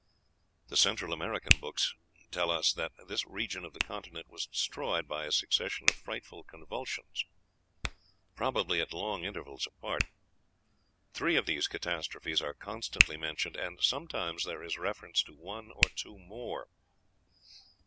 The Central American books tell us that this region of the continent was destroyed by a succession of frightful convulsions, probably at long intervals apart; three of these catastrophes are constantly mentioned, and sometimes there is reference to one or two more.